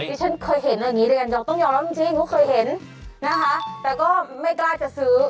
ที่ฉันเคยเห็นอย่างนี้เรียนเราต้องยอมรับจริงว่าเคยเห็นนะคะแต่ก็ไม่กล้าจะซื้อ